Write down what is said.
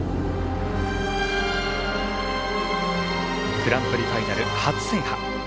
グランプリファイナル初制覇。